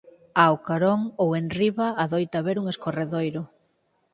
Ao carón ou enriba adoita haber un escorredoiro.